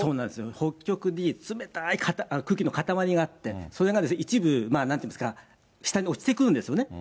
北極に冷たい空気のかたまりがあって、それが一部、なんていうんですか、下に落ちてくるんですよね。